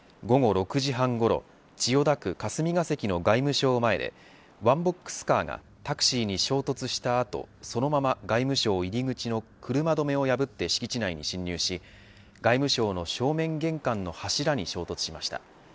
午後６時半ごろ千代田区霞が関の外務省前でワンボックスカーがタクシーに衝突した後そのまま外務省入り口の車止めを破って敷地内に侵入し外務省の正面玄関の柱に衝突しました。